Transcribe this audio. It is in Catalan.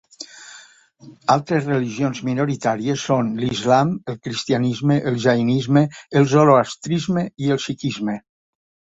Altres religions minoritàries són l'Islam, el Cristianisme, el Jainisme, el Zoroastrisme i el Sikhisme.